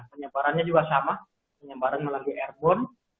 penyebarannya juga sama penyebaran melalui airborne